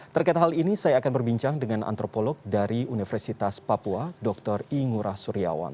terkait hal ini saya akan berbincang dengan antropolog dari universitas papua dr ingura suryawan